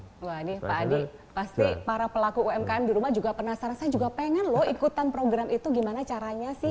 wah ini pak adi pasti para pelaku umkm di rumah juga penasaran saya juga pengen loh ikutan program itu gimana caranya sih